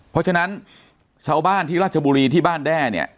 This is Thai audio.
เพราะฉะนั้นชาวบ้านที่ราชบุรีที่บ้านแด้เนี่ย